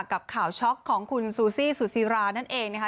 กับข่าวช็อกของคุณซูซี่สุศิรานั่นเองนะคะ